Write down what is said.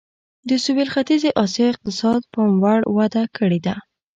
د سوېل ختیځې اسیا اقتصاد پاموړ وده کړې وه.